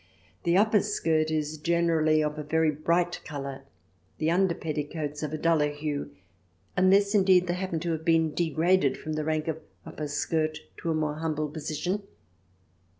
The upper skirt is generally of a very bright colour, the under petticoats of a duller hue, unless, indeed, they happen to have been degraded from the rank of upper skirt to a more humble position.